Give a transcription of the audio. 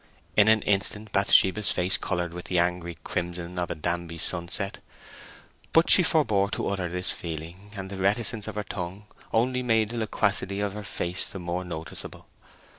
In an instant Bathsheba's face coloured with the angry crimson of a Danby sunset. But she forbore to utter this feeling, and the reticence of her tongue only made the loquacity of her face the more noticeable.